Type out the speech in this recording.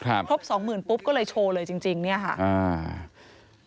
ครบ๒๐๐๐๐ปุ๊บก็เลยโชว์เลยจริงเนี่ยค่ะ